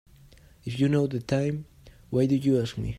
If you know the time why do you ask me?